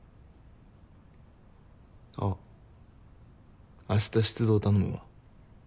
あっ明日出動頼むわ。